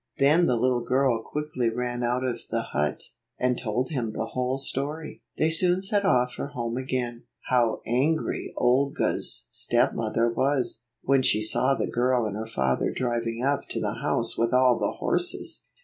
Then the little girl quickly ran out of the hut, and told him the whole story. They soon set off for home again. How angry Olga's stepmother was, when she saw the girl and her father driving up to the house with all the horses